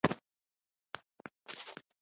مقاله د کمیسیون له خوا سیمینار ته ومنل شوه.